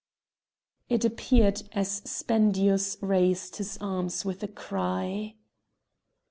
It appeared, and Spendius raised his arms with a cry.